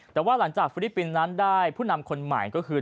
แต่ว่าหลังจากฟิลิปปินส์นั้นได้ผู้นำคนใหม่ก็คือ